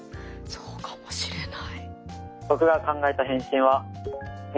そうかもしれない。